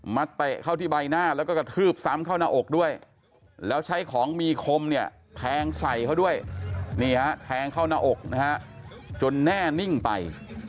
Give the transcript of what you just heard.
เตะเข้าที่ใบหน้าแล้วก็กระทืบซ้ำเข้าหน้าอกด้วยแล้วใช้ของมีคมเนี่ยแทงใส่เขาด้วยนี่ฮะแทงเข้าหน้าอกนะฮะจนแน่นิ่งไป